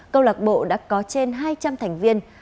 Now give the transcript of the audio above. câu lạc bộ đã có trên hai trăm linh thành viên